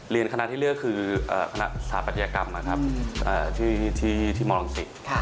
เรียนคณะที่เลือกคือคณะสหปัตยกรรมนะครับที่มลังศิษย์